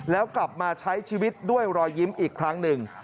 แล้วกลับมาใช้ชีวิตด้วยรอยยิ้มอีกครั้งหนึ่ง